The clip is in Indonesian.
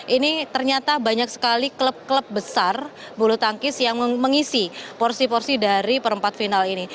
ini ternyata banyak sekali klub klub besar bulu tangkis yang mengisi porsi porsi dari perempat final ini